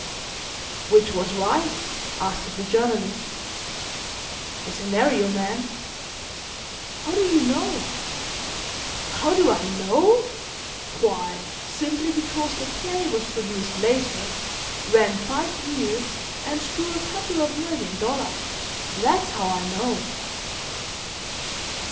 '" "Which was right?" asked the Journalist. "The scenario man." "How do you know?" "How do I know? Why simply because the play was produced later ran five years, and drew a couple of million dollars. That's how I know."